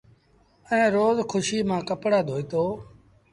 ائيٚݩ روز کُوشيٚ مآݩ ڪپڙآ ڌوئيٚتو۔